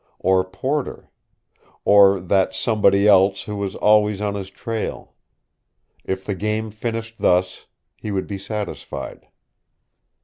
Or Porter. Or that Somebody Else who was always on his trail. If the game finished thus, he would be satisfied.